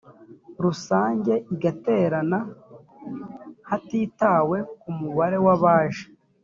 rusange igaterana hatitawe ku mubare w abaje